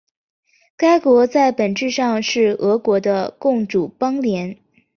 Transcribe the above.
该国在本质上是俄国的共主邦联。